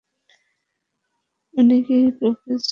উনি কি প্রফেসরের মতো আচরণ করছে?